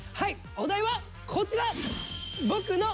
お題はこちら！